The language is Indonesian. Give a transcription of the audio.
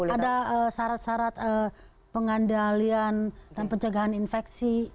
ada syarat syarat pengendalian dan pencegahan infeksi